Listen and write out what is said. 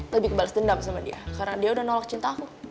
lebih kebalas dendam sama dia karena dia udah nolak cinta aku